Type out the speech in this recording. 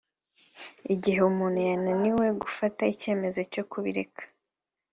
Igihe umuntu yananiwe gufata icyemezo cyo kubireka